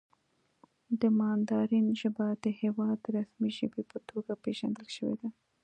د ماندارین ژبه د هېواد د رسمي ژبې په توګه پېژندل شوې ده.